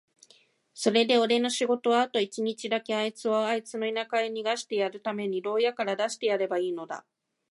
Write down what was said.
それでおれの仕事はあと一日だけ、あいつをあいつの田舎へ逃してやるために牢屋から出してやればいいのだ。